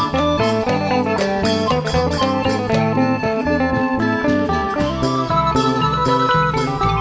สวัสดีครับสวัสดีครับ